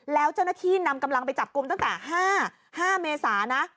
แล้วเจ้าหน้าที่นำกำลังไปจับกลุ่มตั้งแต่๕เมษานะ